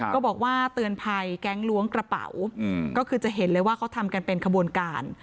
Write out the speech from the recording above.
ก็บอกว่าเตือนภัยแก๊งล้วงกระเป๋าก็คือจะเห็นเลยว่าเขาทำกันเป็นขบวนการ